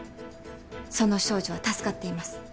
その少女は助かっています。